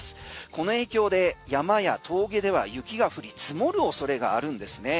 この影響で山や峠では雪が降り積もるおそれがあるんですね。